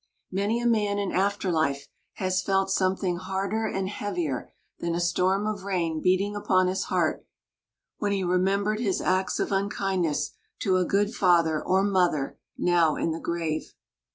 Many a man in after life has felt something harder and heavier than a storm of rain beating upon his heart when he remembered his acts of unkindness to a good father or mother now in the grave.